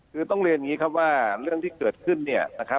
คือต้องเรียนอย่างนี้ครับว่าเรื่องที่เกิดขึ้นเนี่ยนะครับ